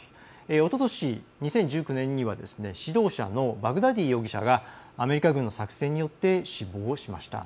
おととし、２０１９年には指導者のバグダディ容疑者がアメリカ軍の作戦によって死亡しました。